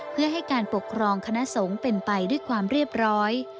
เพื่อให้การปกครองคณะสงฆ์เป็นไปด้วยความเรียบร้อย